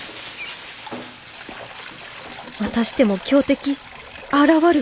またしても強敵現る！